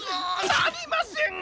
なりません！